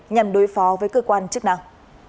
nhằm đối phó với cơ quan chức năng